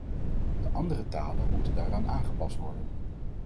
De andere talen moeten daaraan aangepast worden.